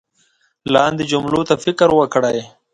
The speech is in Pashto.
لاندې جملو ته فکر وکړئ